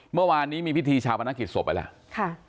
เมื่อวานนี้มีพิธีชาวพนักกิจสวบไปแล้วค่ะ